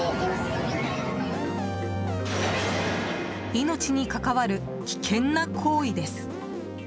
命に関わる危険な行為です。